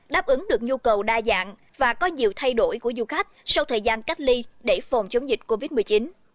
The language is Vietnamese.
đáp ứng được nhu cầu đa dạng và có nhiều thay đổi của du khách sau thời gian cách ly để phòng chống dịch covid một mươi chín